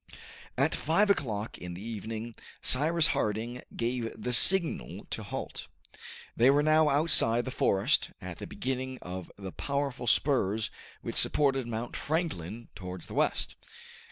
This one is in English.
At five o'clock in the evening, Cyrus Harding gave the signal to halt. They were now outside the forest, at the beginning of the powerful spurs which supported Mount Franklin towards the west.